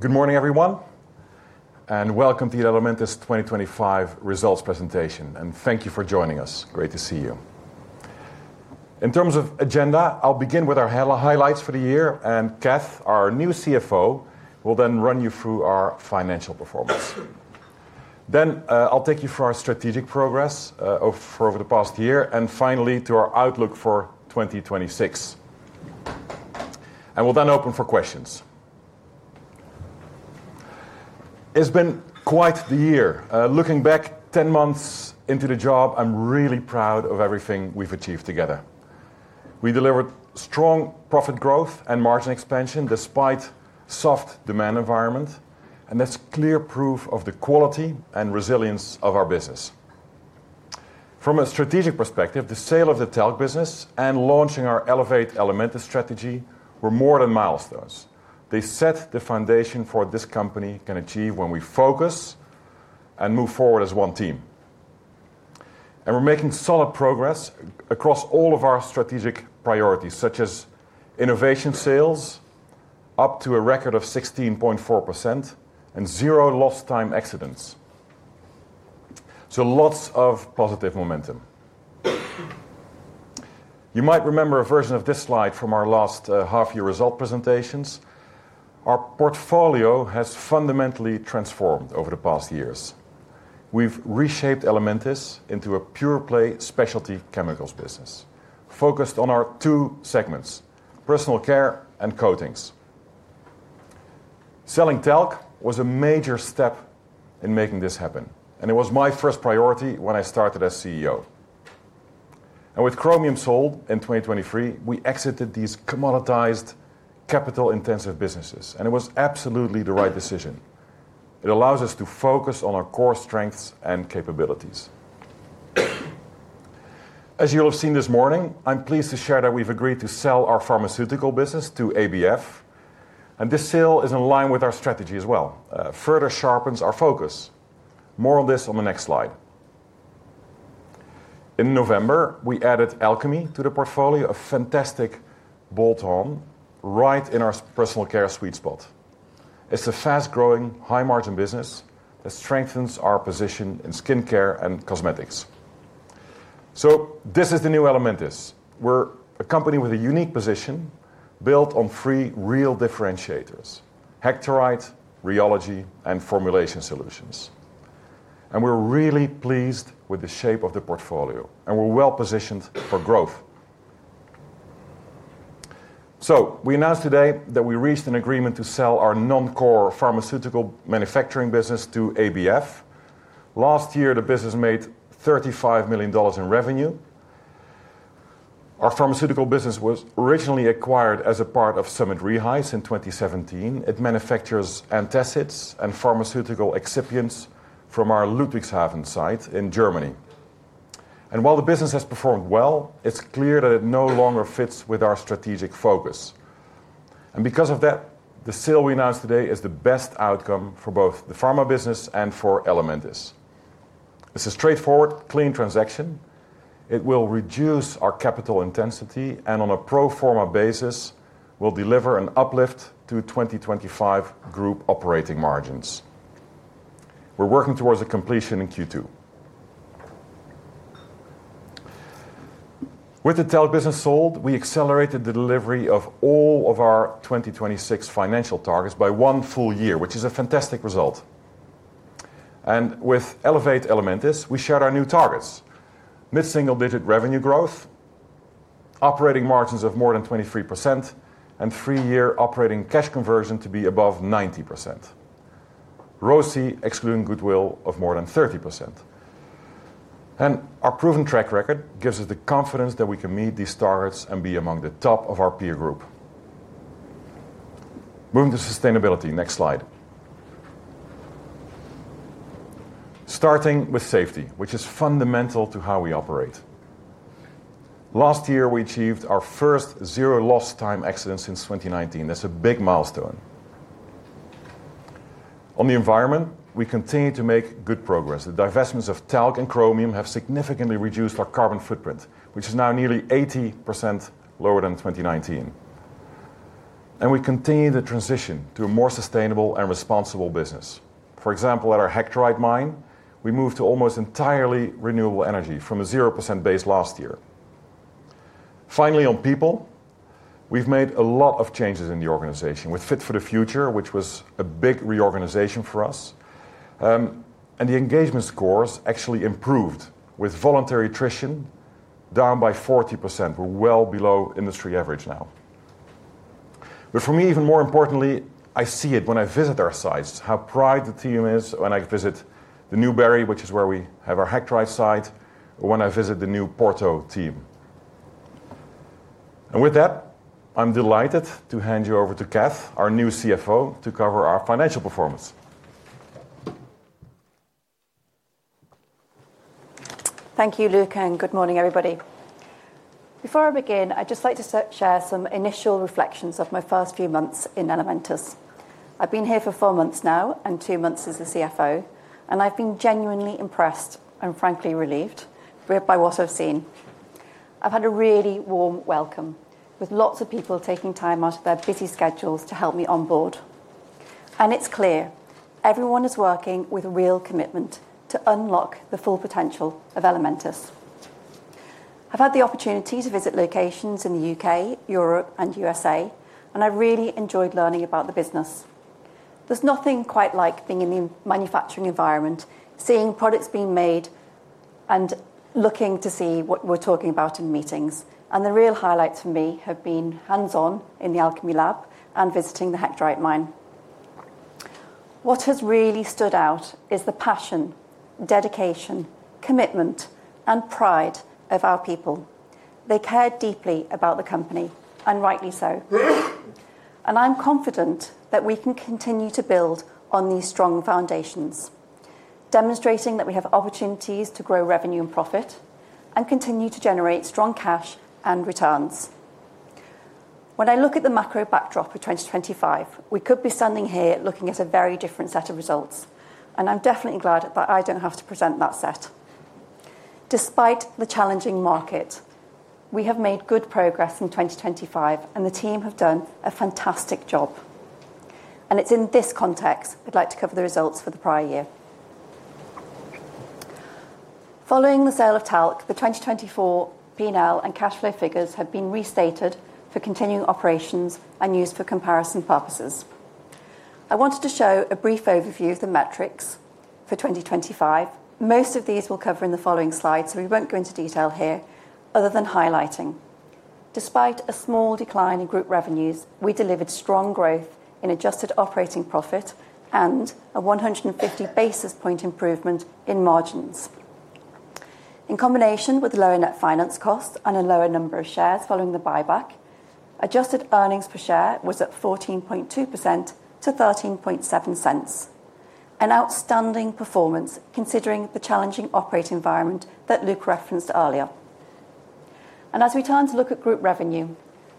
Good morning, everyone, and welcome to the Elementis 2025 Results Presentation. Thank you for joining us. Great to see you. In terms of agenda, I'll begin with our highlights for the year, and Kath, our new CFO, will then run you through our financial performance. Then, I'll take you through our strategic progress for over the past year and finally to our outlook for 2026. We'll then open for questions. It's been quite the year. Looking back 10 months into the job, I'm really proud of everything we've achieved together. We delivered strong profit growth and margin expansion despite soft demand environment, and that's clear proof of the quality and resilience of our business. From a strategic perspective, the sale of the Talc business and launching our Elevate Elementis strategy were more than milestones. They set the foundation for this company can achieve when we focus and move forward as one team. We're making solid progress across all of our strategic priorities, such as innovation sales up to a record of 16.4% and zero lost time accidents. Lots of positive momentum. You might remember a version of this slide from our last half year result presentations. Our portfolio has fundamentally transformed over the past years. We've reshaped Elementis into a pure-play specialty chemicals business focused on our two segments: personal care and coatings. Selling Talc was a major step in making this happen, and it was my first priority when I started as CEO. With Chromium sold in 2023, we exited these commoditized capital-intensive businesses, and it was absolutely the right decision. It allows us to focus on our core strengths and capabilities. As you'll have seen this morning, I'm pleased to share that we've agreed to sell our pharmaceutical business to ABF. This sale is in line with our strategy as well, further sharpens our focus. More on this on the next slide. In November, we added Alchemy Ingredients to the portfolio, a fantastic bolt-on right in our personal care sweet spot. It's a fast-growing, high-margin business that strengthens our position in skincare and cosmetics. This is the new Elementis. We're a company with a unique position built on three real differentiators: hectorite, rheology, and formulation solutions. We're really pleased with the shape of the portfolio, and we're well positioned for growth. We announced today that we reached an agreement to sell our non-core pharmaceutical manufacturing business to ABF. Last year, the business made $35 million in revenue. Our pharmaceutical business was originally acquired as a part of SummitReheis in 2017. It manufactures antacids and pharmaceutical excipients from our Ludwigshafen site in Germany. While the business has performed well, it's clear that it no longer fits with our strategic focus. Because of that, the sale we announced today is the best outcome for both the pharma business and for Elementis. It's a straightforward, clean transaction. It will reduce our capital intensity and on a pro forma basis will deliver an uplift to 2025 group operating margins. We're working towards a completion in Q2. With the Talc business sold, we accelerated the delivery of all of our 2026 financial targets by one full year, which is a fantastic result. With Elevate Elementis, we shared our new targets: mid-single-digit revenue growth, operating margins of more than 23%, and three-year operating cash conversion to be above 90%. ROCE excluding goodwill of more than 30%. Our proven track record gives us the confidence that we can meet these targets and be among the top of our peer group. Moving to sustainability. Next slide. Starting with safety, which is fundamental to how we operate. Last year, we achieved our first zero lost time accident since 2019. That's a big milestone. On the environment, we continue to make good progress. The divestments of Talc and Chromium have significantly reduced our carbon footprint, which is now nearly 80% lower than 2019. We continue to transition to a more sustainable and responsible business. For example, at our hectorite mine, we moved to almost entirely renewable energy from a 0% base last year. Finally, on people, we've made a lot of changes in the organization with Fit for the Future, which was a big reorganization for us. The engagement scores actually improved with voluntary attrition down by 40%. We're well below industry average now. For me, even more importantly, I see it when I visit our sites, how proud the team is when I visit the Newberry, which is where we have our hectorite site, or when I visit the new Porto team. With that, I'm delighted to hand you over to Kath, our new CFO, to cover our financial performance. Thank you, Luc. Good morning, everybody. Before I begin, I'd just like to share some initial reflections of my first few months in Elementis. I've been here for four months now and two months as the CFO. I've been genuinely impressed and frankly relieved by what I've seen. I've had a really warm welcome, with lots of people taking time out of their busy schedules to help me onboard. It's clear everyone is working with real commitment to unlock the full potential of Elementis. I've had the opportunity to visit locations in the UK, Europe, and USA. I really enjoyed learning about the business. There's nothing quite like being in the manufacturing environment, seeing products being made and looking to see what we're talking about in meetings. The real highlights for me have been hands-on in the Alchemy lab and visiting the hectorite mine. What has really stood out is the passion, dedication, commitment, and pride of our people. They care deeply about the company, and rightly so. I'm confident that we can continue to build on these strong foundations, demonstrating that we have opportunities to grow revenue and profit, and continue to generate strong cash and returns. When I look at the macro backdrop for 2025, we could be standing here looking at a very different set of results, and I'm definitely glad that I don't have to present that set. Despite the challenging market, we have made good progress in 2025, and the team have done a fantastic job. It's in this context, I'd like to cover the results for the prior year. Following the sale of Talc, the 2024 P&L and cash flow figures have been restated for continuing operations and used for comparison purposes. I wanted to show a brief overview of the metrics for 2025. Most of these we'll cover in the following slides, we won't go into detail here other than highlighting. Despite a small decline in group revenues, we delivered strong growth in adjusted operating profit and a 150 basis point improvement in margins. In combination with lower net finance costs and a lower number of shares following the buyback, adjusted earnings per share was at 14.2% to $0.137. An outstanding performance considering the challenging operating environment that Luc referenced earlier. As we turn to look at group revenue,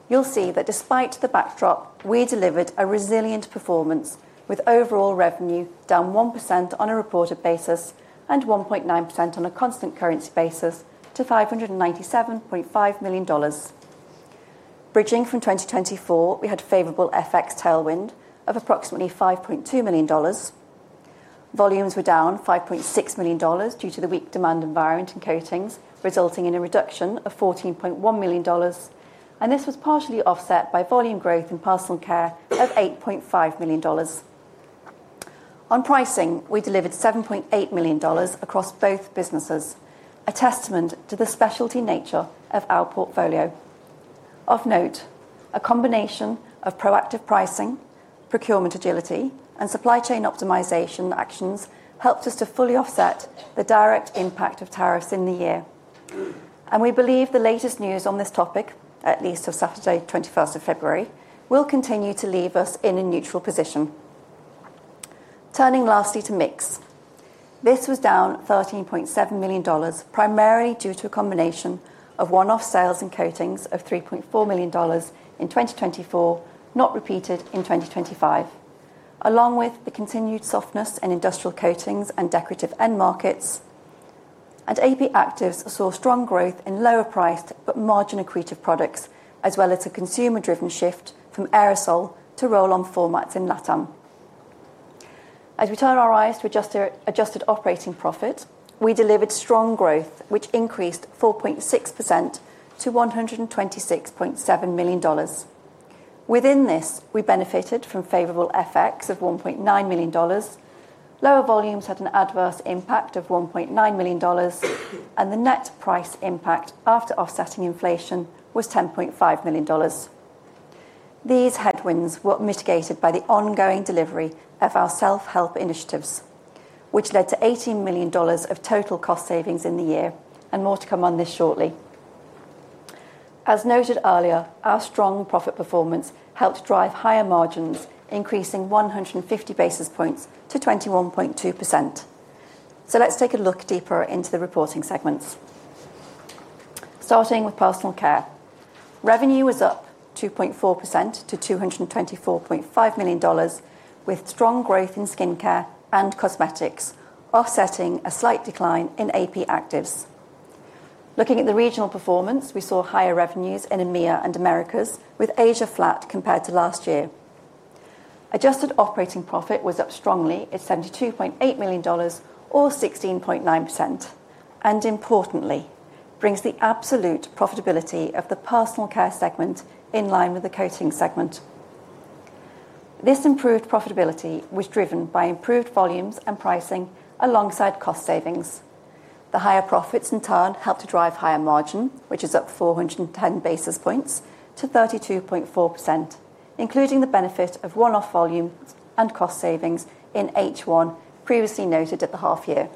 you'll see that despite the backdrop, we delivered a resilient performance with overall revenue down 1% on a reported basis and 1.9% on a constant currency basis to $597.5 million. Bridging from 2024, we had favorable FX tailwind of approximately $5.2 million. Volumes were down $5.6 million due to the weak demand environment in coatings, resulting in a reduction of $14.1 million, and this was partially offset by volume growth in personal care of $8.5 million. On pricing, we delivered $7.8 million across both businesses, a testament to the specialty nature of our portfolio. Of note, a combination of proactive pricing, procurement agility, and supply chain optimization actions helped us to fully offset the direct impact of tariffs in the year. We believe the latest news on this topic, at least as Saturday, 21 February, will continue to leave us in a neutral position. Turning lastly to mix. This was down $13.7 million, primarily due to a combination of one-off sales in coatings of $3.4 million in 2024, not repeated in 2025. Along with the continued softness in industrial coatings and decorative end markets. AP actives saw strong growth in lower priced but margin-accretive products, as well as a consumer-driven shift from aerosol to roll-on formats in LATAM. As we turn our eyes to adjust our adjusted operating profit, we delivered strong growth, which increased 4.6% to $126.7 million. Within this, we benefited from favorable FX of $1.9 million. Lower volumes had an adverse impact of $1.9 million, and the net price impact after offsetting inflation was $10.5 million. These headwinds were mitigated by the ongoing delivery of our self-help initiatives, which led to $80 million of total cost savings in the year, more to come on this shortly. As noted earlier, our strong profit performance helped drive higher margins, increasing 150 basis points to 21.2%. Let's take a look deeper into the reporting segments. Starting with personal care. Revenue was up 2.4% to $224.5 million, with strong growth in skincare and cosmetics, offsetting a slight decline in AP actives. Looking at the regional performance, we saw higher revenues in EMEIA and Americas, with Asia flat compared to last year. Adjusted operating profit was up strongly at $72.8 million or 16.9%. Importantly, brings the absolute profitability of the personal care segment in line with the coating segment. This improved profitability was driven by improved volumes and pricing alongside cost savings. The higher profits in turn helped to drive higher margin, which is up 410 basis points to 32.4%, including the benefit of one-off volume and cost savings in H1 previously noted at the half year.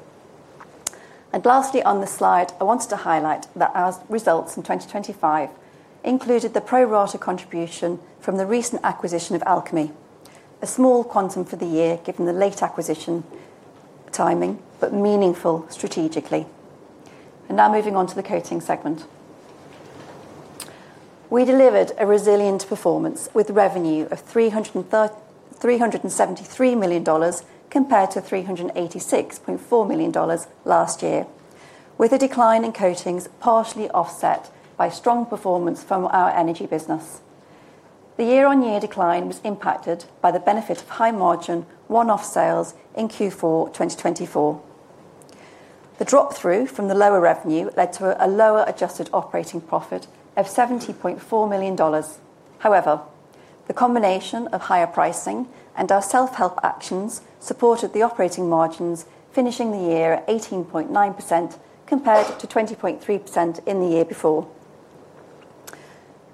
Lastly on this slide, I wanted to highlight that our results in 2025 included the pro rata contribution from the recent acquisition of Alchemy, a small quantum for the year given the late acquisition timing, but meaningful strategically. Now moving on to the coatings segment. We delivered a resilient performance with revenue of $373 million compared to $386.4 million last year, with a decline in coatings partially offset by strong performance from our energy business. The year-on-year decline was impacted by the benefit of high margin one-off sales in Q4 2024. The drop-through from the lower revenue led to a lower adjusted operating profit of $70.4 million. The combination of higher pricing and our self-help actions supported the operating margins, finishing the year at 18.9% compared to 20.3% in the year before.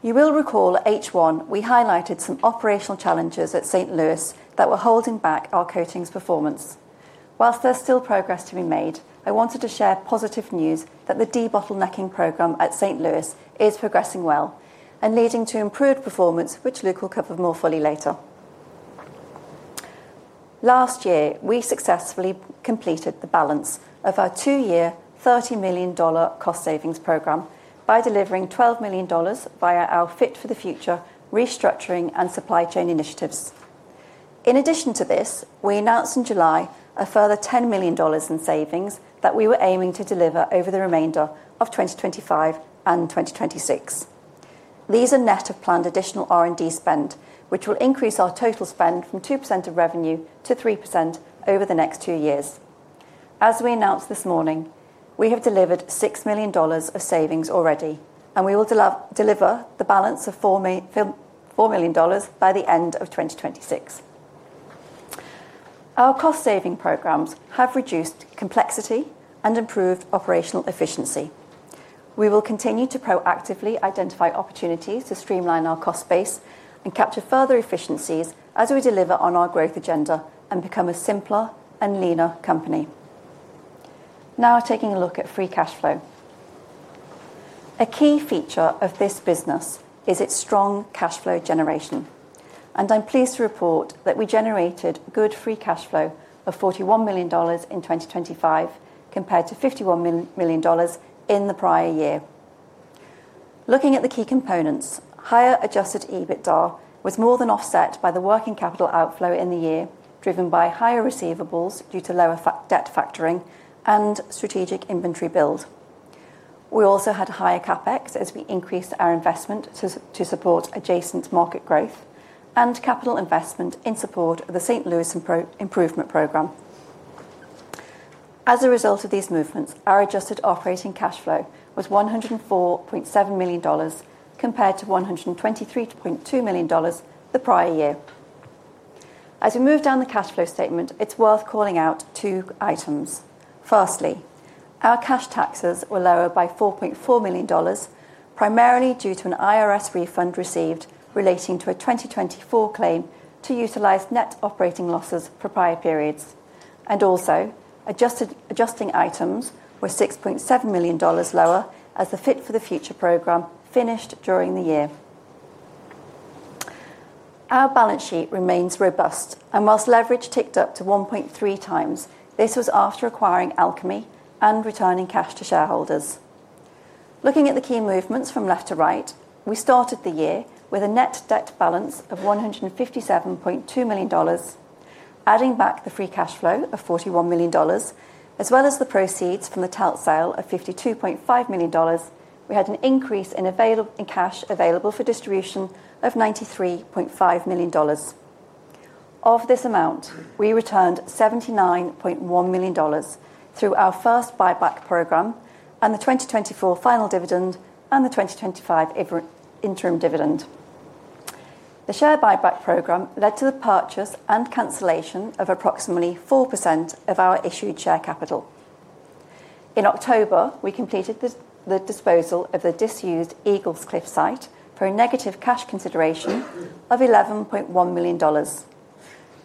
You will recall H1, we highlighted some operational challenges at St. Louis that were holding back our coatings performance. While there's still progress to be made, I wanted to share positive news that the debottlenecking program at St. Louis is progressing well and leading to improved performance, which Luc will cover more fully later. Last year, we successfully completed the balance of our two-year, $30 million cost savings program by delivering $12 million via our Fit for the Future restructuring and supply chain initiatives. In addition to this, we announced in July a further $10 million in savings that we were aiming to deliver over the remainder of 2025 and 2026. These are net of planned additional R&D spend, which will increase our total spend from 2% of revenue to 3% over the next two years. As we announced this morning, we have delivered $6 million of savings already, and we will deliver the balance of $4 million by the end of 2026. Our cost saving programs have reduced complexity and improved operational efficiency. We will continue to proactively identify opportunities to streamline our cost base and capture further efficiencies as we deliver on our growth agenda and become a simpler and leaner company. Taking a look at free cash flow. A key feature of this business is its strong cash flow generation, and I'm pleased to report that we generated good free cash flow of $41 million in 2025 compared to $51 million in the prior year. Looking at the key components, higher adjusted EBITDA was more than offset by the working capital outflow in the year, driven by higher receivables due to lower debt factoring and strategic inventory build. We also had higher CapEx as we increased our investment to support adjacent market growth and capital investment in support of the St. Louis improvement program. A result of these movements, our adjusted operating cash flow was $104.7 million compared to $123.2 million the prior year. We move down the cash flow statement, it's worth calling out two items. Firstly, our cash taxes were lower by $4.4 million, primarily due to an IRS refund received relating to a 2024 claim to utilize net operating losses for prior periods. Also adjusting items were $6.7 million lower as the Fit for the Future program finished during the year. Our balance sheet remains robust, whilst leverage ticked up to 1.3x, this was after acquiring Alchemy and returning cash to shareholders. Looking at the key movements from left to right, we started the year with a net debt balance of $157.2 million. Adding back the free cash flow of $41 million, as well as the proceeds from the Talc sale of $52.5 million, we had an increase in cash available for distribution of $93.5 million. Of this amount, we returned $79.1 million through our first buyback program and the 2024 final dividend and the 2025 interim dividend. The share buyback program led to the purchase and cancellation of approximately 4% of our issued share capital. In October, we completed the disposal of the disused Eaglescliffe site for a negative cash consideration of $11.1 million.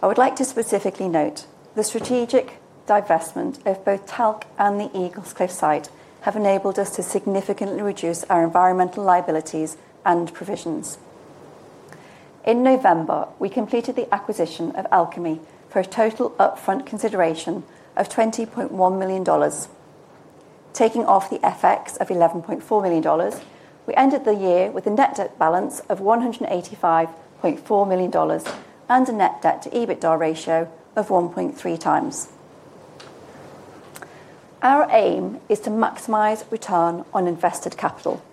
I would like to specifically note the strategic divestment of both Talc and the Eaglescliffe site have enabled us to significantly reduce our environmental liabilities and provisions. In November, we completed the acquisition of Alchemy for a total upfront consideration of $20.1 million. Taking off the FX of $11.4 million, we ended the year with a net debt balance of $185.4 million and a net debt to EBITDA ratio of 1.3x. Our aim is to maximize return on invested capital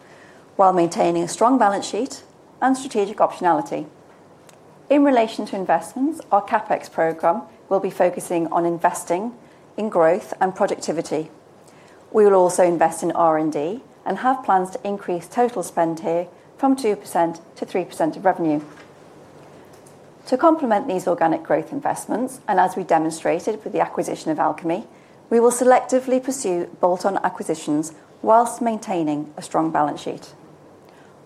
while maintaining a strong balance sheet and strategic optionality. In relation to investments, our CapEx program will be focusing on investing in growth and productivity. We will also invest in R&D and have plans to increase total spend here from 2% to 3% of revenue. To complement these organic growth investments, as we demonstrated with the acquisition of Alchemy, we will selectively pursue bolt-on acquisitions while maintaining a strong balance sheet.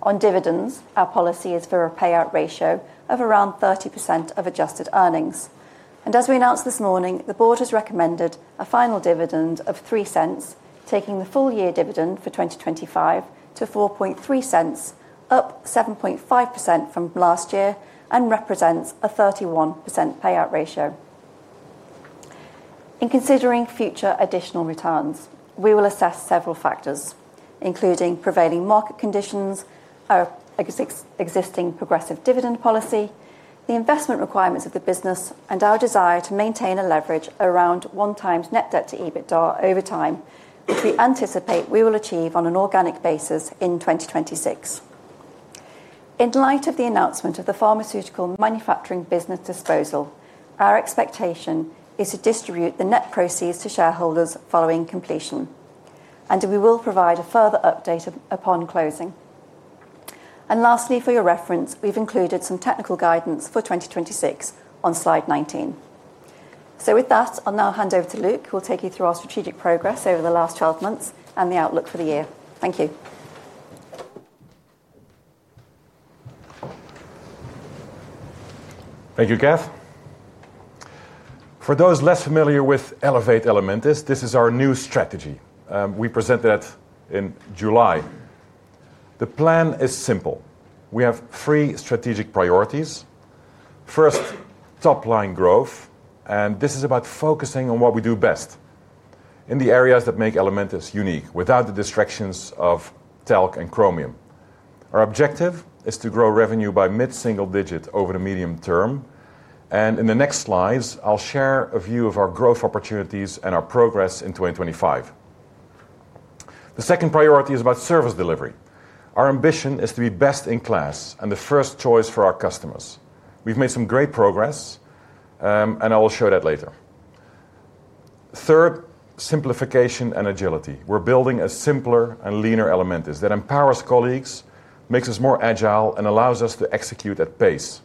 On dividends, our policy is for a payout ratio of around 30% of adjusted earnings. As we announced this morning, the board has recommended a final dividend of 0.03, taking the full year dividend for 2025 to 0.043, up 7.5% from last year and represents a 31% payout ratio. In considering future additional returns, we will assess several factors, including prevailing market conditions, our existing progressive dividend policy, the investment requirements of the business, and our desire to maintain a leverage around 1x net debt to EBITDA over time, which we anticipate we will achieve on an organic basis in 2026. In light of the announcement of the pharmaceutical manufacturing business disposal, our expectation is to distribute the net proceeds to shareholders following completion. We will provide a further update upon closing. Lastly, for your reference, we've included some technical guidance for 2026 on slide 19. With that, I'll now hand over to Luc, who will take you through our strategic progress over the last 12 months and the outlook for the year. Thank you. Thank you, Kath. For those less familiar with Elevate Elementis, this is our new strategy. We presented it in July. The plan is simple. We have three strategic priorities. First, top-line growth. This is about focusing on what we do best in the areas that make Elementis unique without the distractions of talc and chromium. Our objective is to grow revenue by mid-single digits over the medium term, and in the next slides, I'll share a view of our growth opportunities and our progress in 2025. The second priority is about service delivery. Our ambition is to be best in class and the first choice for our customers. We've made some great progress, and I will show that later. Third, simplification and agility. We're building a simpler and leaner Elementis that empowers colleagues, makes us more agile, and allows us to execute at pace.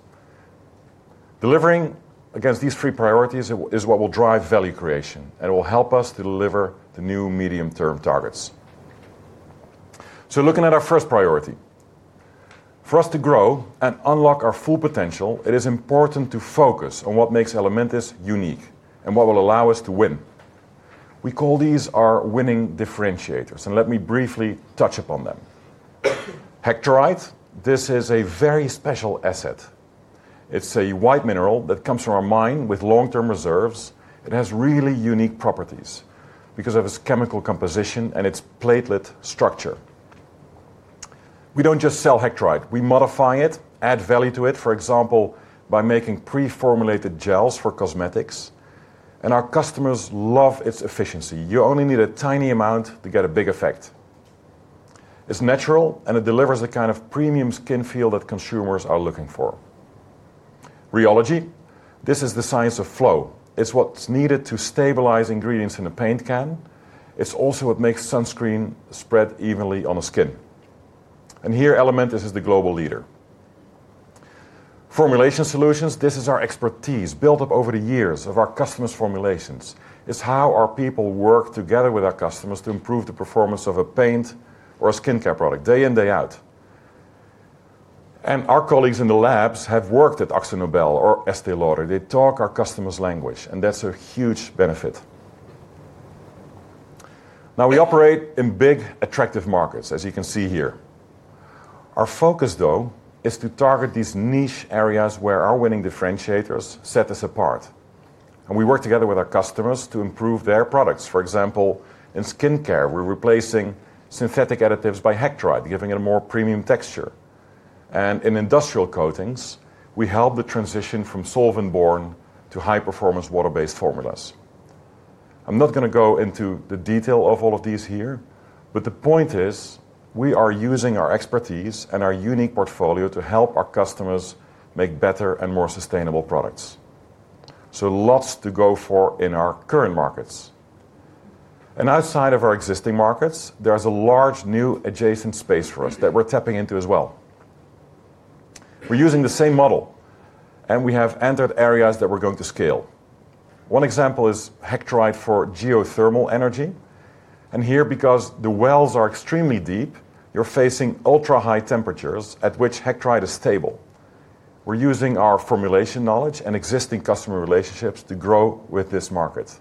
Delivering against these three priorities is what will drive value creation, and it will help us to deliver the new medium-term targets. Looking at our first priority. For us to grow and unlock our full potential, it is important to focus on what makes Elementis unique and what will allow us to win. We call these our winning differentiators, and let me briefly touch upon them. Hectorite, this is a very special asset. It's a white mineral that comes from our mine with long-term reserves. It has really unique properties because of its chemical composition and its platelet structure. We don't just sell hectorite. We modify it, add value to it, for example, by making pre-formulated gels for cosmetics, and our customers love its efficiency. You only need a tiny amount to get a big effect. It's natural. It delivers the kind of premium skin feel that consumers are looking for. Rheology, this is the science of flow. It's what's needed to stabilize ingredients in a paint can. It's also what makes sunscreen spread evenly on the skin. Here, Elementis is the global leader. Formulation solutions, this is our expertise built up over the years of our customers' formulations. It's how our people work together with our customers to improve the performance of a paint or a skincare product day in, day out. Our colleagues in the labs have worked at AkzoNobel or Estée Lauder. They talk our customers' language. That's a huge benefit. Now, we operate in big, attractive markets, as you can see here. Our focus, though, is to target these niche areas where our winning differentiators set us apart. We work together with our customers to improve their products. For example, in skincare, we're replacing synthetic additives by hectorite, giving it a more premium texture. In industrial coatings, we help the transition from solvent-borne to high-performance water-based formulas. I'm not going to go into the detail of all of these here. The point is we are using our expertise and our unique portfolio to help our customers make better and more sustainable products. Lots to go for in our current markets. Outside of our existing markets, there's a large new adjacent space for us that we're tapping into as well. We're using the same model. We have entered areas that we're going to scale. One example is hectorite for geothermal energy. Here because the wells are extremely deep, you're facing ultra-high temperatures at which hectorite is stable. We're using our formulation knowledge and existing customer relationships to grow with this market.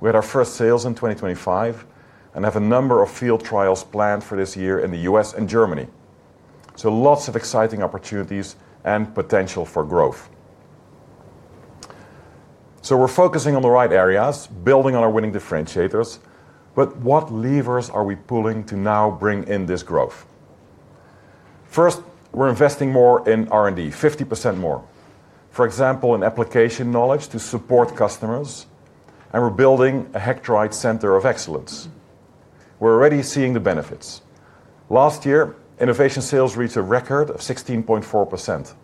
We had our first sales in 2025 and have a number of field trials planned for this year in the U.S. and Germany. Lots of exciting opportunities and potential for growth. We're focusing on the right areas, building on our winning differentiators, what levers are we pulling to now bring in this growth? First, we're investing more in R&D, 50% more. For example, in application knowledge to support customers, we're building a hectorite center of excellence. We're already seeing the benefits. Last year, innovation sales reached a record of 16.4%.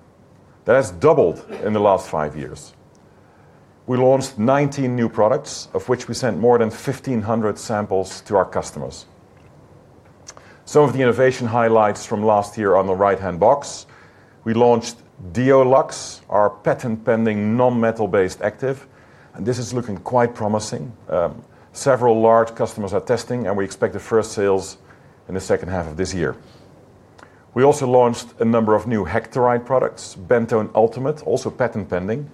That has doubled in the last five years. We launched 19 new products, of which we sent more than 1,500 samples to our customers. Some of the innovation highlights from last year on the right-hand box. We launched DEOLUXE SC, our patent-pending non-metal-based active. This is looking quite promising. Several large customers are testing, and we expect the first sales in the second half of this year. We also launched a number of new hectorite products. BENTONE ULTIMATE, also patent-pending.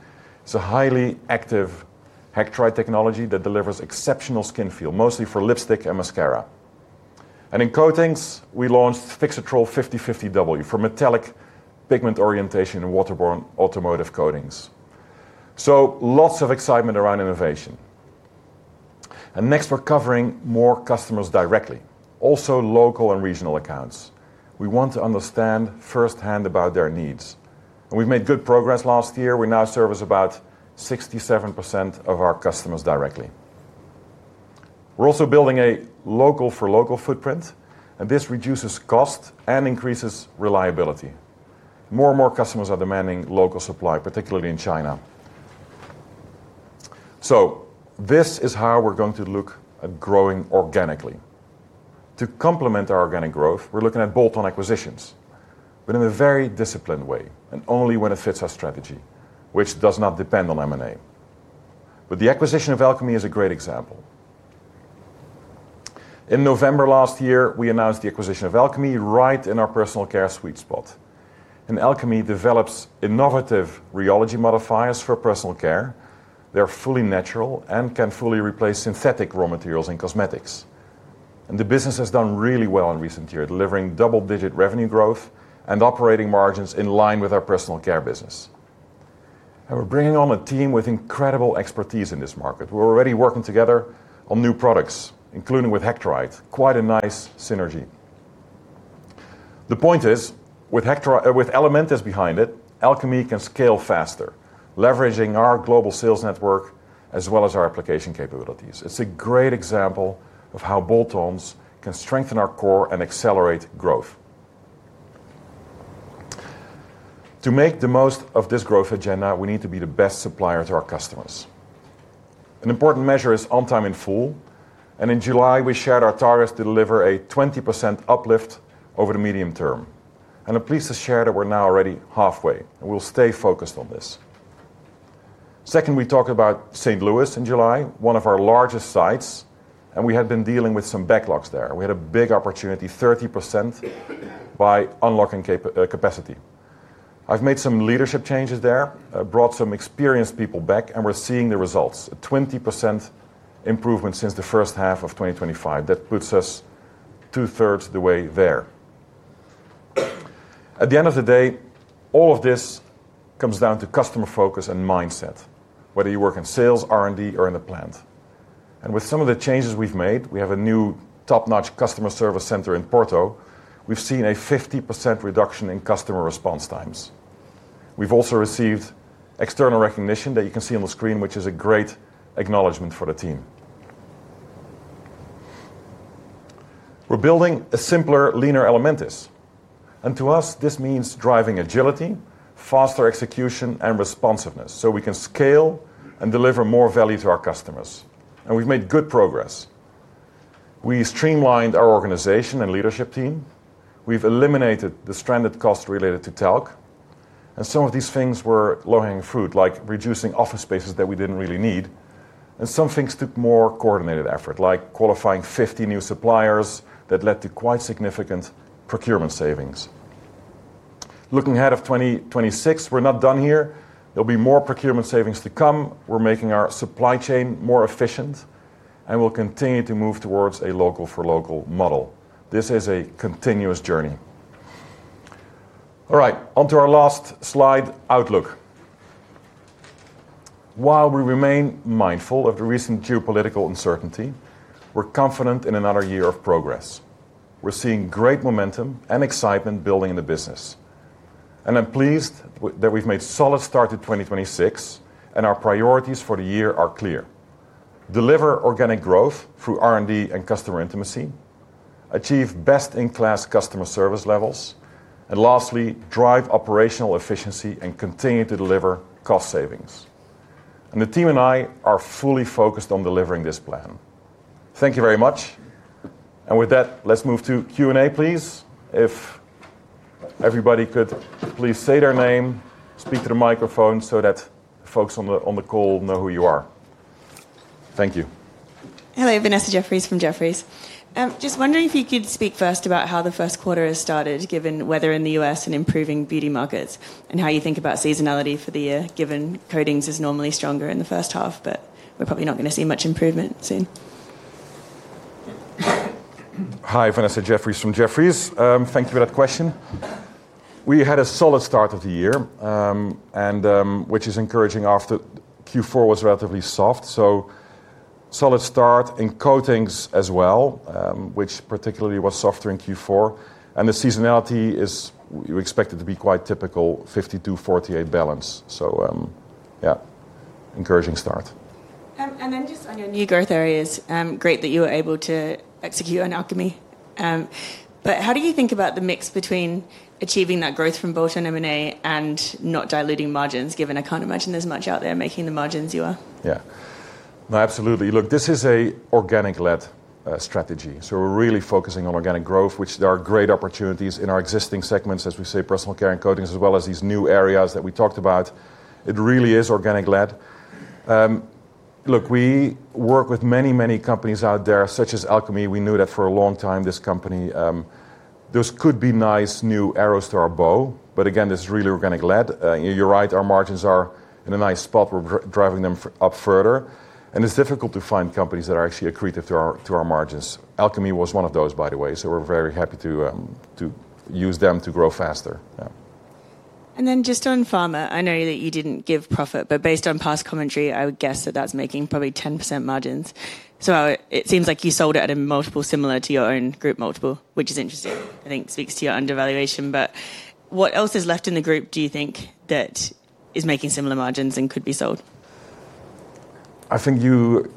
It's a highly active hectorite technology that delivers exceptional skin feel, mostly for lipstick and mascara. In coatings, we launched THIXATROL 5050W for metallic pigment orientation and waterborne automotive coatings. Lots of excitement around innovation. Next, we're covering more customers directly, also local and regional accounts. We want to understand firsthand about their needs. We've made good progress last year. We now service about 67% of our customers directly. We're also building a local for local footprint. This reduces cost and increases reliability. More and more customers are demanding local supply, particularly in China. This is how we're going to look at growing organically. To complement our organic growth, we're looking at bolt-on acquisitions, but in a very disciplined way and only when it fits our strategy, which does not depend on M&A. The acquisition of Alchemy is a great example. In November last year, we announced the acquisition of Alchemy right in our personal care sweet spot. Alchemy develops innovative rheology modifiers for personal care. They're fully natural and can fully replace synthetic raw materials in cosmetics. The business has done really well in recent years, delivering double-digit revenue growth and operating margins in line with our personal care business. We're bringing on a team with incredible expertise in this market. We're already working together on new products, including with hectorite. Quite a nice synergy. The point is, with Elementis behind it, Alchemy can scale faster, leveraging our global sales network as well as our application capabilities. It's a great example of how bolt-ons can strengthen our core and accelerate growth. To make the most of this growth agenda, we need to be the best supplier to our customers. An important measure is On-Time In-Full, in July, we shared our targets to deliver a 20% uplift over the medium term. I'm pleased to share that we're now already halfway, and we'll stay focused on this. Second, we talked about St. Louis in July, one of our largest sites, and we had been dealing with some backlogs there. We had a big opportunity, 30% by unlocking capacity. I've made some leadership changes there, brought some experienced people back, and we're seeing the results. A 20% improvement since the first half of 2025. That puts us 2/3 of the way there. At the end of the day, all of this comes down to customer focus and mindset, whether you work in sales, R&D, or in the plant. With some of the changes we've made, we have a new top-notch customer service center in Porto. We've seen a 50% reduction in customer response times. We've also received external recognition that you can see on the screen, which is a great acknowledgment for the team. We're building a simpler, leaner Elementis, and to us, this means driving agility, faster execution, and responsiveness, so we can scale and deliver more value to our customers. We've made good progress. We streamlined our organization and leadership team. We've eliminated the stranded cost related to talc. Some of these things were low-hanging fruit, like reducing office spaces that we didn't really need. Some things took more coordinated effort, like qualifying 50 new suppliers that led to quite significant procurement savings. Looking ahead of 2026, we're not done here. There'll be more procurement savings to come. We're making our supply chain more efficient, and we'll continue to move towards a local for local model. This is a continuous journey. All right, onto our last slide, outlook. While we remain mindful of the recent geopolitical uncertainty, we're confident in another year of progress. We're seeing great momentum and excitement building in the business. I'm pleased that we've made solid start to 2026, and our priorities for the year are clear: deliver organic growth through R&D and customer intimacy, achieve best-in-class customer service levels, and lastly, drive operational efficiency and continue to deliver cost savings. The team and I are fully focused on delivering this plan. Thank you very much. With that, let's move to Q&A, please. If everybody could please say their name, speak to the microphone so that folks on the call know who you are. Thank you. Hello, Vanessa Jeffriess from Jefferies. Just wondering if you could speak first about how the first quarter has started, given weather in the U.S. and improving beauty markets, and how you think about seasonality for the year, given coatings is normally stronger in the first half, but we're probably not gonna see much improvement soon? Hi, Vanessa Jeffriess from Jefferies. Thank you for that question. We had a solid start of the year, which is encouraging after Q4 was relatively soft. Solid start in coatings as well, which particularly was softer in Q4. The seasonality is we expect it to be quite typical, 52/48 balance. Yeah, encouraging start. Just on your new growth areas, great that you were able to execute on Alchemy. How do you think about the mix between achieving that growth from bolt-on M&A and not diluting margins, given I can't imagine there's much out there making the margins you are? Yeah. No, absolutely. Look, this is a organic-led strategy. We're really focusing on organic growth, which there are great opportunities in our existing segments, as we say, personal care and coatings, as well as these new areas that we talked about. It really is organic-led. Look, we work with many, many companies out there, such as Alchemy. We knew that for a long time this company. Those could be nice new arrows to our bow, but again, this is really organic led. You're right, our margins are in a nice spot. We're driving them up further, and it's difficult to find companies that are actually accretive to our, to our margins. Alchemy was one of those, by the way, so we're very happy to use them to grow faster. Yeah. Just on pharma, I know that you didn't give profit, but based on past commentary, I would guess that that's making probably 10% margins. It seems like you sold it at a multiple similar to your own group multiple, which is interesting, I think speaks to your undervaluation. What else is left in the group, do you think, that is making similar margins and could be sold? I think you're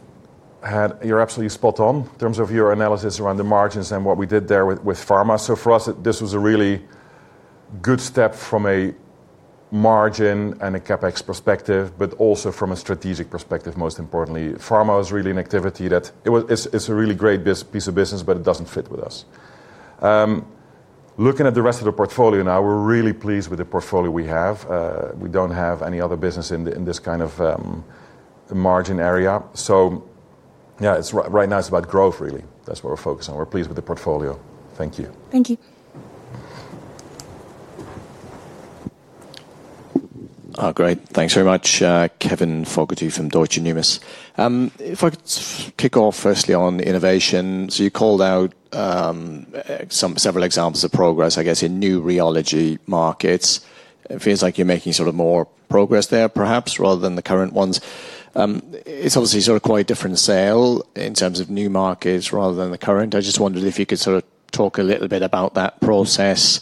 absolutely spot on in terms of your analysis around the margins and what we did there with pharma. For us, this was a really good step from a margin and a CapEx perspective, but also from a strategic perspective, most importantly. Pharma is really an activity that it's a really great piece of business, but it doesn't fit with us. Looking at the rest of the portfolio now, we're really pleased with the portfolio we have. We don't have any other business in this kind of margin area. Yeah, it's right now it's about growth, really. That's what we're focused on. We're pleased with the portfolio. Thank you. Thank you. Great. Thanks very much. Kevin Fogarty from Deutsche Numis. If I could kick off firstly on innovation. You called out, several examples of progress, I guess, in new rheology markets. It feels like you're making sort of more progress there perhaps, rather than the current ones. It's obviously sort of quite a different sale in terms of new markets rather than the current. I just wondered if you could sort of talk a little bit about that process,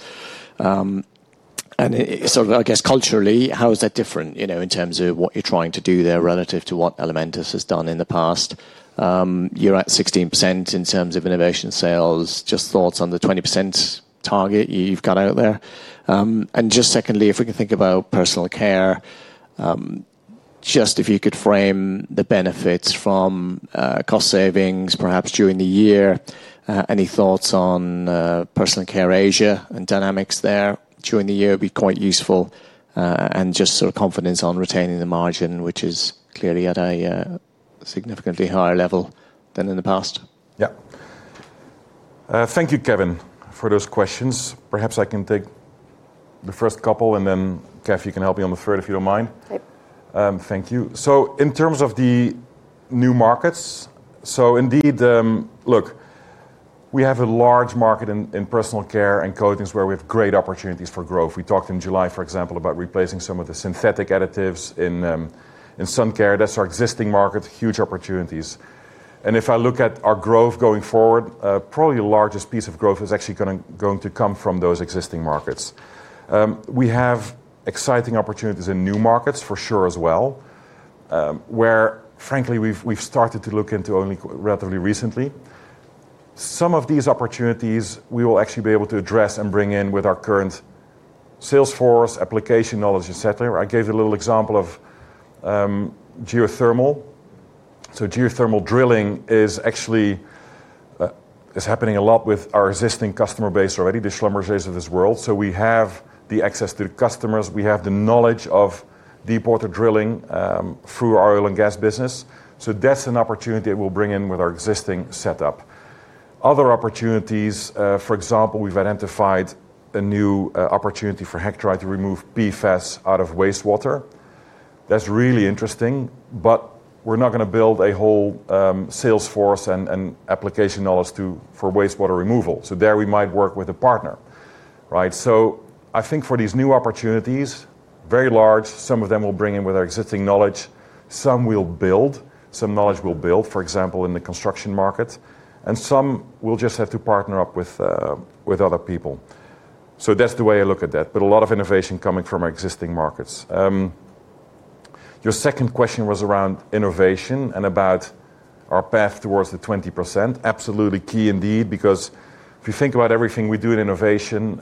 and, sort of, I guess culturally, how is that different, you know, in terms of what you're trying to do there relative to what Elementis has done in the past? You're at 16% in terms of innovation sales. Just thoughts on the 20% target you've got out there. Just secondly, if we can think about personal care, just if you could frame the benefits from cost savings perhaps during the year, any thoughts on personal care Asia and dynamics there during the year would be quite useful, and just sort of confidence on retaining the margin, which is clearly at a significantly higher level than in the past. Thank you, Kevin, for those questions. Perhaps I can take the first couple and then, Kath, you can help me on the third, if you don't mind. Okay. Thank you. In terms of the new markets, indeed, look, we have a large market in personal care and coatings where we have great opportunities for growth. We talked in July, for example, about replacing some of the synthetic additives in sun care. That's our existing market, huge opportunities. If I look at our growth going forward, probably the largest piece of growth is actually going to come from those existing markets. We have exciting opportunities in new markets for sure as well, where frankly, we've started to look into only relatively recently. Some of these opportunities we will actually be able to address and bring in with our current sales force, application knowledge, et cetera. I gave the little example of geothermal. Geothermal drilling is actually happening a lot with our existing customer base already, the Schlumberger of this world. We have the access to the customers, we have the knowledge of deep water drilling through our oil and gas business. That's an opportunity that we'll bring in with our existing setup. Other opportunities, for example, we've identified a new opportunity for hectorite to remove PFAS out of wastewater. That's really interesting, but we're not gonna build a whole sales force and application knowledge for wastewater removal. There we might work with a partner. Right? I think for these new opportunities, very large, some of them will bring in with our existing knowledge. Some we'll build, some knowledge we'll build, for example, in the construction market, and some we'll just have to partner up with other people. That's the way I look at that, but a lot of innovation coming from our existing markets. Your second question was around innovation and about our path towards the 20%. Absolutely key indeed, because if you think about everything we do in innovation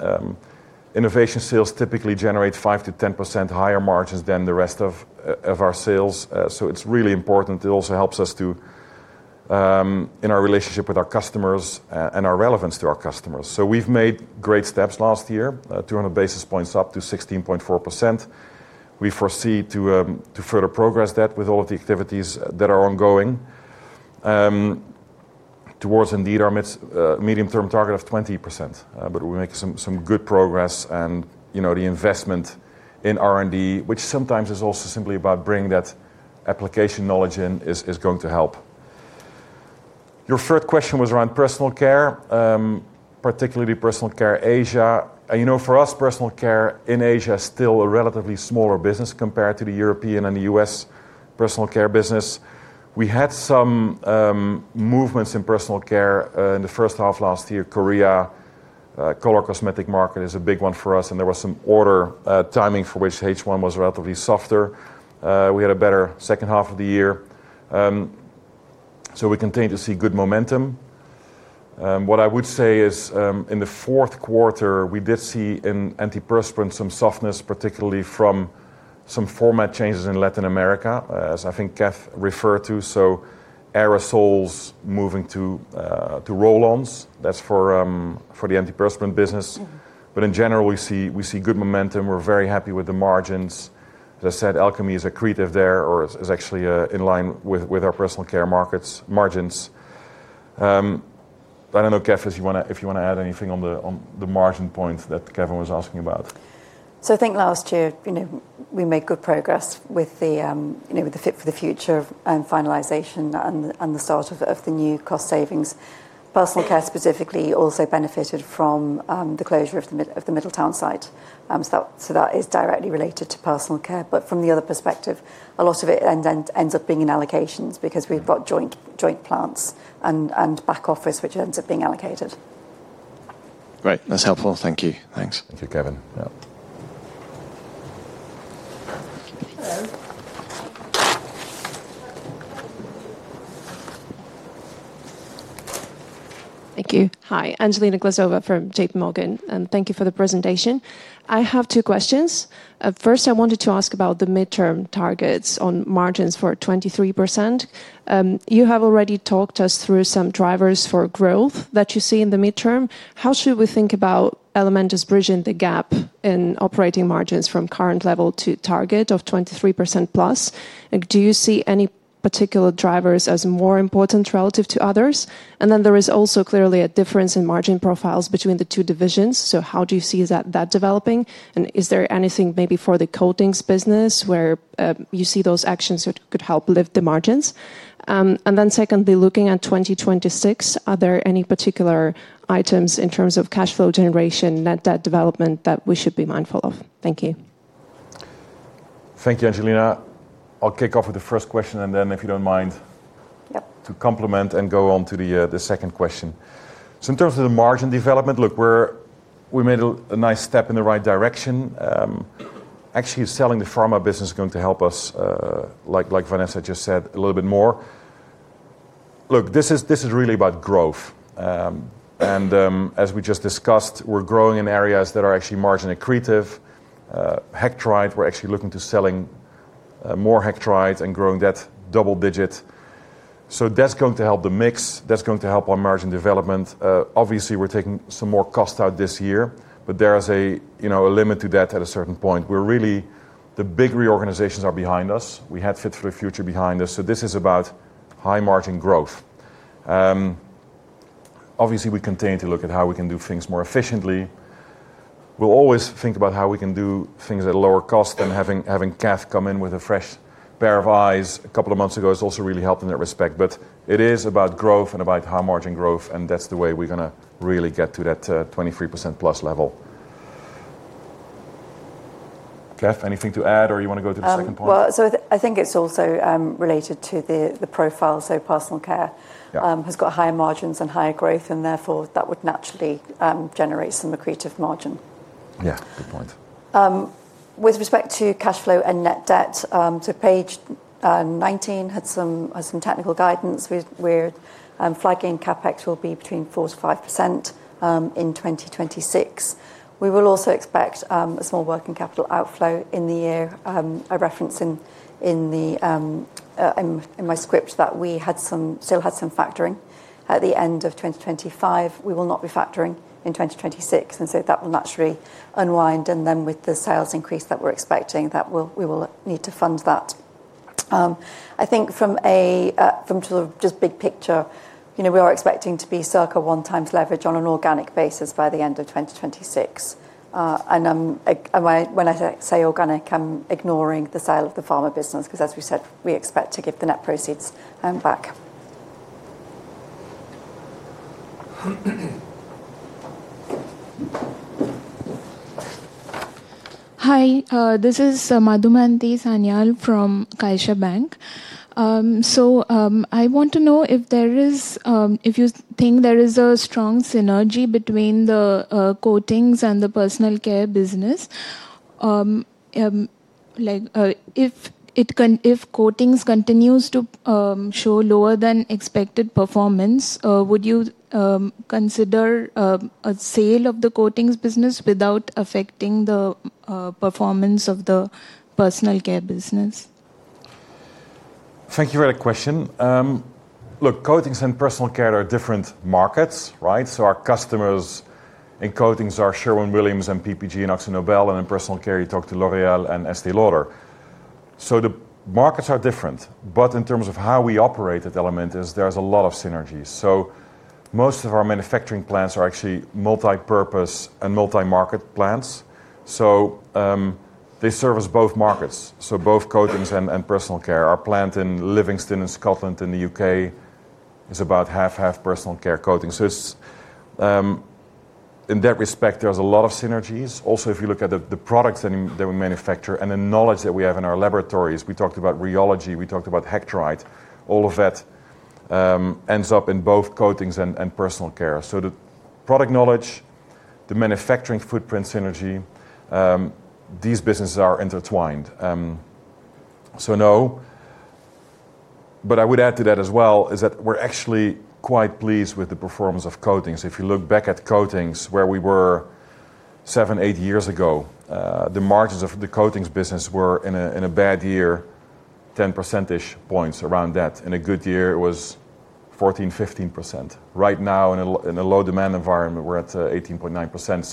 sales typically generate 5%-10% higher margins than the rest of our sales. It's really important. It also helps us to in our relationship with our customers and our relevance to our customers. We've made great steps last year, 200 basis points up to 16.4%. We foresee to further progress that with all of the activities that are ongoing, towards indeed our mid, medium-term target of 20%. We make some good progress and, you know, the investment in R&D, which sometimes is also simply about bringing that application knowledge in, is going to help. Your third question was around personal care, particularly personal care Asia. You know, for us, personal care in Asia is still a relatively smaller business compared to the European and the U.S. personal care business. We had some movements in personal care in the first half last year. Korea, color cosmetic market is a big one for us, and there was some order timing for which H1 was relatively softer. We had a better second half of the year. We continue to see good momentum. What I would say is, in the fourth quarter, we did see in antiperspirant some softness, particularly from some format changes in Latin America, as I think Kath referred to. Aerosols moving to roll-ons, that's for the antiperspirant business. Mm-hmm. In general, we see good momentum. We're very happy with the margins. As I said, Alchemy is accretive there, or is actually in line with our personal care markets margins. I don't know, Kath, if you wanna, if you wanna add anything on the, on the margin point that Kevin was asking about. I think last year, we made good progress with the Fit for the Future finalization and the start of the new cost savings. Personal care specifically also benefited from the closure of the Middletown site. That is directly related to personal care. From the other perspective, a lot of it ends up being in allocations because we've got joint plants and back office, which ends up being allocated. Great. That's helpful. Thank you. Thanks. Thank you, Kevin. Yeah. Hello. Thank you. Hi, Angelina Glazova from JPMorgan, thank you for the presentation. I have two questions. First, I wanted to ask about the midterm targets on margins for 23%. You have already talked us through some drivers for growth that you see in the midterm. How should we think about Elementis bridging the gap in operating margins from current level to target of 23%+? Do you see any particular drivers as more important relative to others? There is also clearly a difference in margin profiles between the two divisions. How do you see that developing? Is there anything maybe for the coatings business where you see those actions which could help lift the margins? Secondly, looking at 2026, are there any particular items in terms of cash flow generation, net debt development that we should be mindful of? Thank you. Thank you, Angelina. I'll kick off with the first question, and then if you don't mind... Yep. to complement and go on to the second question. In terms of the margin development, look, we made a nice step in the right direction. Actually selling the pharma business is going to help us, like Vanessa just said, a little bit more. Look, this is really about growth. As we just discussed, we're growing in areas that are actually margin accretive. Hectorite, we're actually looking to selling more hectorite and growing that double digit. That's going to help the mix. That's going to help our margin development. Obviously we're taking some more cost out this year, but there is a, you know, a limit to that at a certain point. The big reorganizations are behind us. We had Fit for the Future behind us. This is about high margin growth. Obviously we continue to look at how we can do things more efficiently. We'll always think about how we can do things at a lower cost than having Kath come in with a fresh pair of eyes a couple of months ago has also really helped in that respect. It is about growth and about high margin growth, and that's the way we're gonna really get to that 23%+ level. Kath, anything to add, or you want to go to the second point? Well, I think it's also related to the profile. Personal care- Yeah. ... has got higher margins and higher growth, and therefore that would naturally generate some accretive margin. Yeah. Good point. With respect to cash flow and net debt, page 19 had some technical guidance flagging CapEx will be between 4%-5% in 2026. We will also expect a small working capital outflow in the year. I reference in my script that we still had some factoring at the end of 2025. We will not be factoring in 2026, that will naturally unwind. With the sales increase that we're expecting, we will need to fund that. I think from a big picture, you know, we are expecting to be circa 1 times leverage on an organic basis by the end of 2026. When I say organic, I'm ignoring the sale of the pharma business, 'cause as we said, we expect to get the net proceeds back. Hi, this is Madhumanti Sanyal from CaixaBank. I want to know if there is, if you think there is a strong synergy between the coatings and the personal care business. If coatings continues to show lower than expected performance, would you consider a sale of the coatings business without affecting the performance of the personal care business? Thank you for that question. Look, coatings and personal care are different markets, right? Our customers in coatings are Sherwin-Williams and PPG and AkzoNobel, and in personal care, you talk to L'Oréal and Estée Lauder. The markets are different. In terms of how we operate at Elementis, there's a lot of synergies. Most of our manufacturing plants are actually multipurpose and multi-market plants. They service both markets, both coatings and personal care. Our plant in Livingston in Scotland in the U.K. is about half/half personal care coatings. In that respect, there's a lot of synergies. Also, if you look at the products that we manufacture and the knowledge that we have in our laboratories, we talked about rheology, we talked about hectorite, all of that ends up in both coatings and personal care. The product knowledge, the manufacturing footprint synergy, these businesses are intertwined. No. I would add to that as well is that we're actually quite pleased with the performance of coatings. If you look back at coatings, where we were seven, eight years ago, the margins of the coatings business were in a bad year 10 percentage points around that. In a good year, it was 14-15%. Right now, in a low demand environment, we're at 18.9%.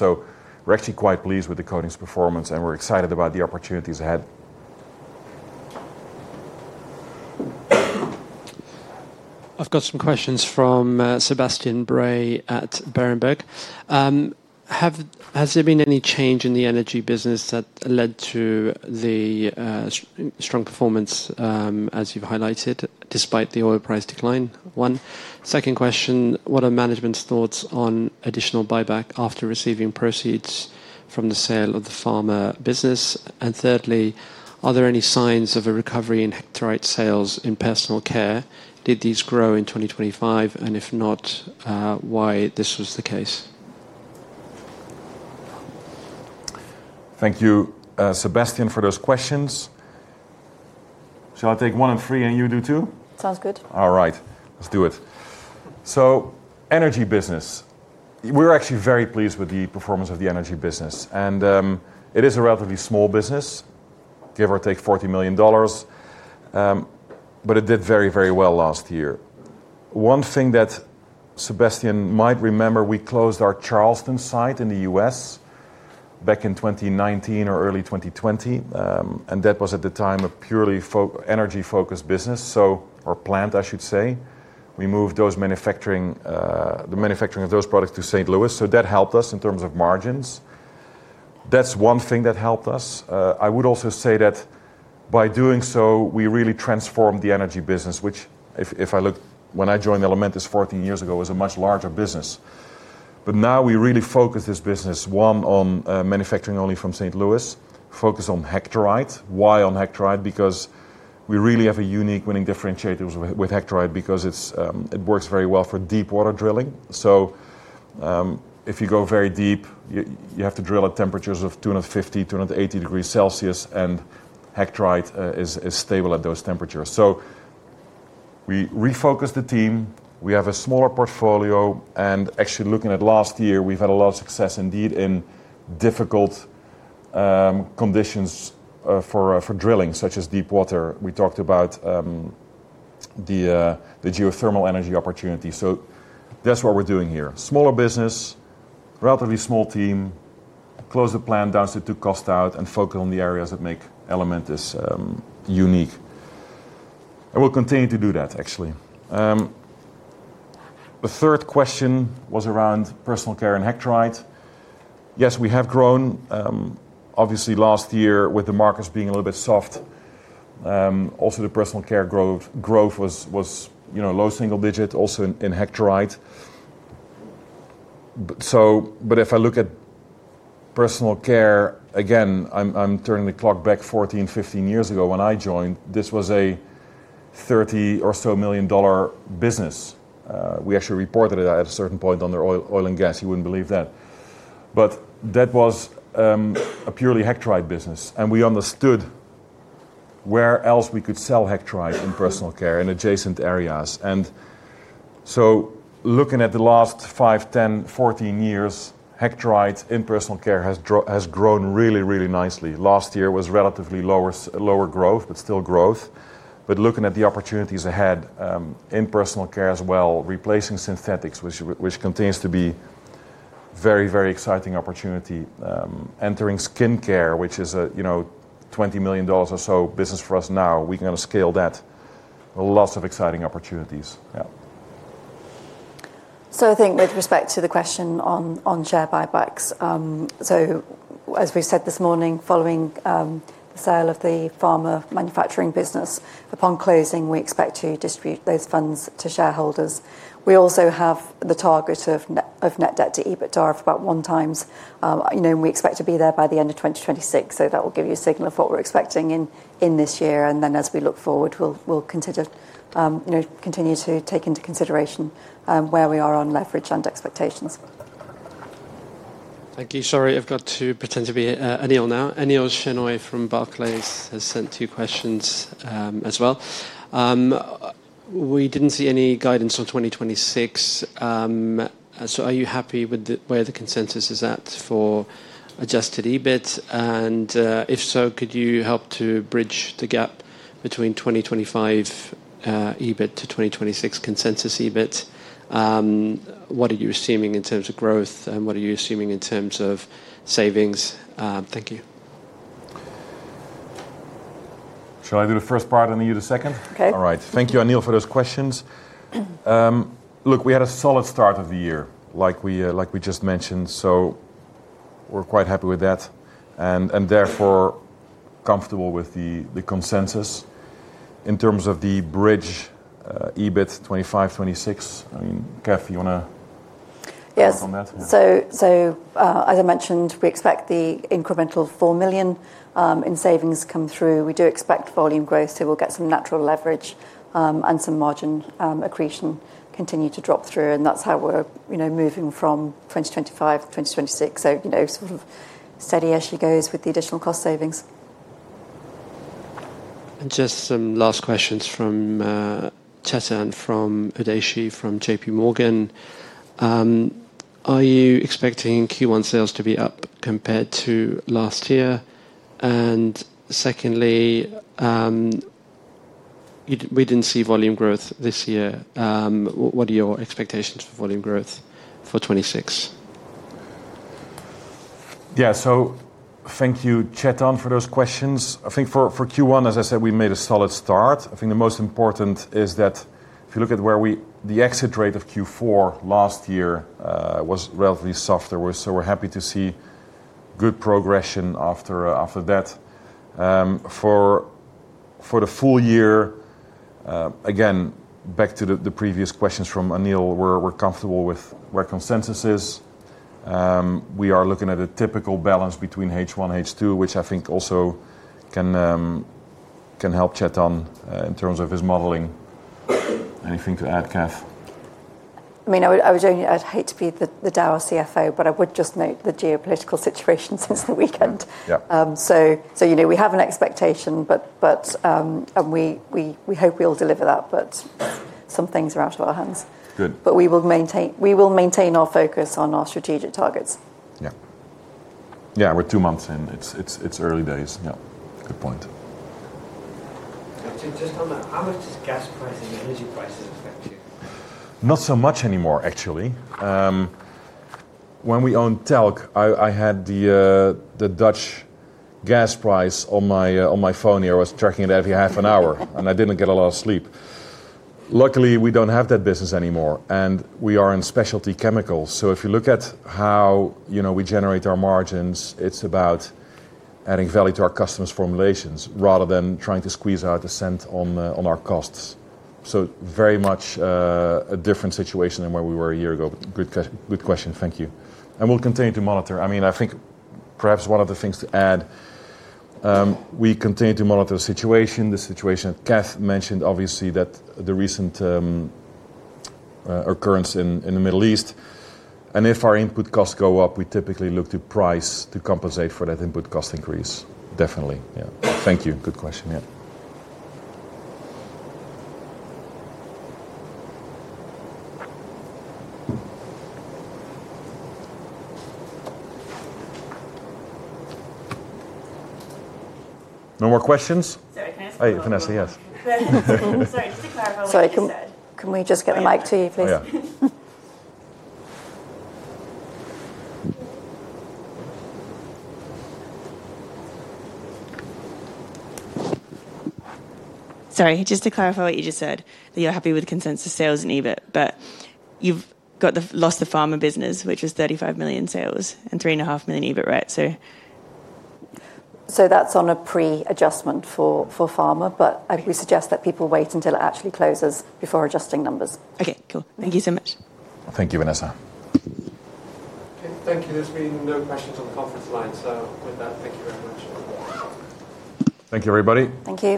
We're actually quite pleased with the coatings performance, and we're excited about the opportunities ahead. I've got some questions from Sebastian Bray at Berenberg. Has there been any change in the energy business that led to the strong performance as you've highlighted despite the oil price decline? One. Second question, what are management's thoughts on additional buyback after receiving proceeds from the sale of the pharma business? Thirdly, are there any signs of a recovery in hectorite sales in personal care? Did these grow in 2025? If not, why this was the case? Thank you, Sebastian, for those questions. Shall I take one and three, and you do two? Sounds good. All right. Let's do it. Energy business. We're actually very pleased with the performance of the energy business. It is a relatively small business, give or take $40 million, but it did very, very well last year. One thing that Sebastian might remember, we closed our Charleston site in the U.S. back in 2019 or early 2020, and that was at the time a purely energy focused business or plant, I should say. We moved those manufacturing, the manufacturing of those products to St. Louis. That helped us in terms of margins. That's one thing that helped us. I would also say that by doing so, we really transformed the energy business, which if I look when I joined Elementis 14 years ago, was a much larger business. Now we really focus this business, one, on manufacturing only from St. Louis, focus on hectorite. Why on hectorite? We really have a unique winning differentiator with hectorite because it's, it works very well for deep water drilling. If you go very deep, you have to drill at temperatures of 250, 280 degrees Celsius, and hectorite is stable at those temperatures. We refocused the team. We have a smaller portfolio. Actually looking at last year, we've had a lot of success indeed in difficult conditions for drilling, such as deep water. We talked about the geothermal energy opportunity. That's what we're doing here. Smaller business, relatively small team, close the plant down so to cost out and focus on the areas that make Elementis unique, and we'll continue to do that actually. The third question was around personal care and hectorite. Yes, we have grown. Obviously last year with the markets being a little bit soft, also the personal care growth was, you know, low single digit also in hectorite. But if I look at personal care, again I'm turning the clock back 14, 15 years ago when I joined, this was a $30 million business. We actually reported it at a certain point under oil and gas. You wouldn't believe that. That was a purely hectorite business, and we understood where else we could sell hectorite in personal care in adjacent areas. Looking at the last five, 10, 14 years, hectorite in personal care has grown really, really nicely. Last year was relatively lower growth, but still growth. Looking at the opportunities ahead, in personal care as well, replacing synthetics which continues to be very, very exciting opportunity, entering skincare, which is a, you know, $20 million or so business for us now. We can scale that. Lots of exciting opportunities. Yeah. I think with respect to the question on share buybacks. As we said this morning, following the sale of the pharma manufacturing business, upon closing, we expect to distribute those funds to shareholders. We also have the target of net debt to EBITDA of about 1 times. You know, we expect to be there by the end of 2026. That will give you a signal of what we're expecting in this year. As we look forward, we'll consider, you know, continue to take into consideration where we are on leverage and expectations. Thank you. Sorry, I've got to pretend to be Anil now. Anil Shenoy from Barclays has sent two questions as well. We didn't see any guidance on 2026. Are you happy with where the consensus is at for adjusted EBIT? If so, could you help to bridge the gap between 2025 EBIT to 2026 consensus EBIT? What are you assuming in terms of growth, and what are you assuming in terms of savings? Thank you. Shall I do the first part and you the second? Okay. All right. Thank you, Anil, for those questions. Look, we had a solid start of the year, like we just mentioned, so we're quite happy with that and therefore comfortable with the consensus. In terms of the bridge, EBIT 2025, 2026, I mean, Kath, you wanna. Yes. ...comment on that? Yeah. As I mentioned, we expect the incremental $4 million in savings come through. We do expect volume growth, so we'll get some natural leverage, and some margin accretion continue to drop through, and that's how we're, you know, moving from 2025 to 2026. You know, sort of steady as she goes with the additional cost savings. Just some last questions from Chetan Udeshi from JPMorgan. Are you expecting Q1 sales to be up compared to last year? Secondly, we didn't see volume growth this year. What are your expectations for volume growth for 2026? Thank you, Chetan, for those questions. I think for Q1, as I said, we made a solid start. I think the most important is that if you look at where the exit rate of Q4 last year was relatively soft. We're happy to see good progression after that. For the full year, again, back to the previous questions from Anil, we're comfortable with where consensus is. We are looking at a typical balance between H1, H2, which I think also can help Chetan in terms of his modeling. Anything to add, Kath? I mean, I'd hate to be the Dow CFO, but I would just note the geopolitical situation since the weekend. Yeah. You know, we have an expectation, but, and we hope we'll deliver that, but some things are out of our hands. Good. We will maintain our focus on our strategic targets. Yeah. Yeah. We're two months in, it's early days. Yeah. Good point. Just on that, how much does gas pricing and energy prices affect you? Not so much anymore, actually. When we owned Talc, I had the Dutch TTF Gas on my phone here. I was tracking it every half an hour. I didn't get a lot of sleep. Luckily, we don't have that business anymore, and we are in specialty chemicals. If you look at how, you know, we generate our margins, it's about adding value to our customers' formulations rather than trying to squeeze out a cent on our costs. Very much, a different situation than where we were a year ago. Good question. Thank you. We'll continue to monitor. I mean, I think perhaps one of the things to add, we continue to monitor the situation. The situation Kath mentioned, obviously, that the recent occurrence in the Middle East. If our input costs go up, we typically look to price to compensate for that input cost increase. Definitely. Yeah. Thank you. Good question. Yeah. No more questions? Sorry, can I ask one? Hi, Vanessa. Yes. Sorry, just to clarify what you said. Sorry. Can we just get the mic to you, please? Oh, yeah. Sorry. Just to clarify what you just said, that you're happy with consensus sales and EBIT, but you've got the loss of pharma business, which was $35 million sales and $3.5 million EBIT, right? That's on a pre-adjustment for pharma, but we suggest that people wait until it actually closes before adjusting numbers. Okay, cool. Thank You so much. Thank you, Vanessa. Okay, thank you. There's been no questions on the conference line. With that, thank you very much. Thank you, everybody. Thank you.